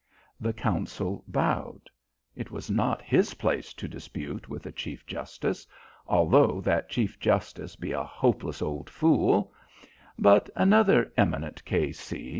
The counsel bowed. It was not his place to dispute with a chief justice, although that chief justice be a hopeless old fool; but another eminent K.C.